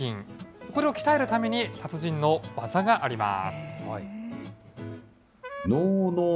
これを鍛えるために、達人の技があります。